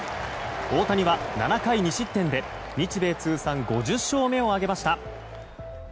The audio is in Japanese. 大谷は７回２失点で日米通算５０勝目を挙げました。